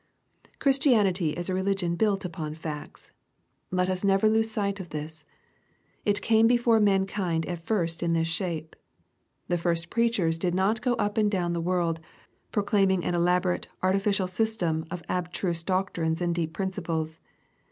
Christianity is a religion built upon facts. Let us never lose sight of this. It came before mankind at first in this shape. The first preachers did not go up and down the world, proclaiming an elaborate, artificial system of abstruse doctrines and deep principles.